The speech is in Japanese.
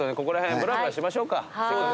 ここら辺ぶらぶらしましょうか。